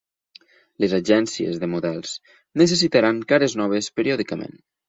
Les agències de models necessitaran cares noves periòdicament.